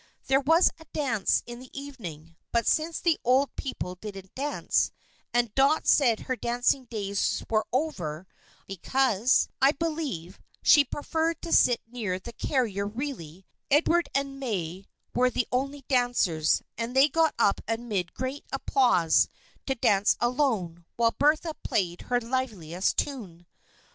There was a dance in the evening; but since the old people didn't dance, and Dot said her dancing days were over because, I believe, she preferred to sit near the carrier really, Edward and May were the only dancers, and they got up amid great applause, to dance alone, while Bertha played her liveliest tune.